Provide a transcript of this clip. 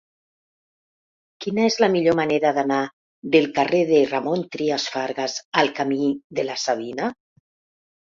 Quina és la millor manera d'anar del carrer de Ramon Trias Fargas al camí de la Savina?